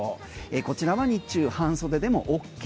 こちらは日中半袖でもＯＫ。